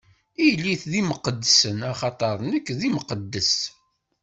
Ilit d imqeddsen, axaṭer nekk d Imqeddes.